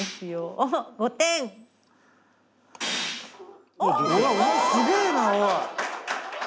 お前すげえなおい！